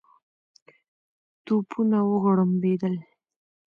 توپونه وغړومبېدل.